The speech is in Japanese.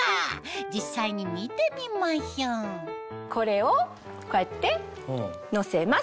実際に見てみましょうこれをこうやって乗せます。